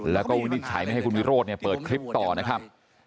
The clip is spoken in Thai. แล้วก็วินิจฉัยไม่ให้คุณวิโรธเนี่ยเปิดคลิปต่อนะครับ